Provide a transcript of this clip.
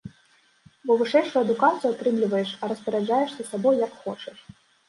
Бо вышэйшую адукацыю атрымліваеш, а распараджаешся сабой, як хочаш.